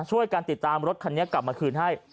ช่วยกันติดตามรถคันนี้กลับมาคืนให้